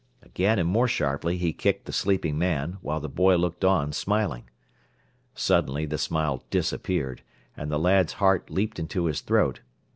Again, and more sharply, he kicked the sleeping man, while the boy looked on, smiling. Suddenly the smile disappeared, and the lad's heart leaped into his throat.